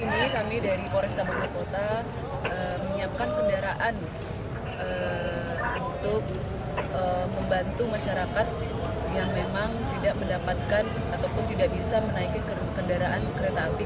ini kami dari polresta bogor kota menyiapkan kendaraan untuk membantu masyarakat yang memang tidak mendapatkan ataupun tidak bisa menaiki kendaraan kereta api